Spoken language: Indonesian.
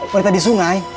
pernah di sungai